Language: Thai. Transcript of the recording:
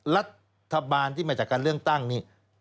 รัฐบาลที่มาจากการเลือกตั้งนี่